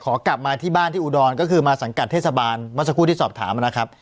กลับมาที่บ้านที่อุดรก็คือมาสังกัดเทศบาลเมื่อสักครู่ที่สอบถามนะครับ